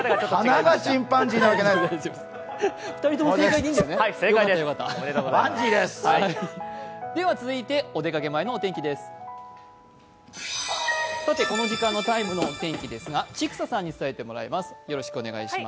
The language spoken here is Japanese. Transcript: この時間の「ＴＩＭＥ，」のお天気は千種さんに伝えてもらいます。